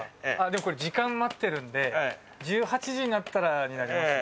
でもこれ時間待ってるんで１８時になったらになります。